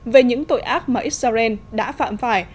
về những tội ác mà israel đã phạm phải